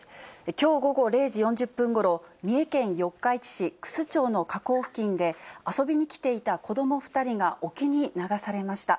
きょう午後０時４０分ごろ、三重県四日市市楠町の河口付近で、遊びに来ていた子ども２人が沖に流されました。